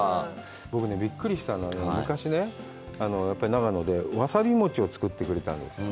僕ね、びっくりしたのは、昔ね、長野でわさび餅を作ってくれたんです。